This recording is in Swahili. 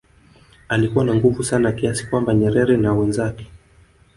alikuwa na nguvu sana kiasi kwamba Nyerere na wenzake